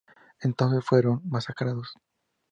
Entonces, fueron masacrados.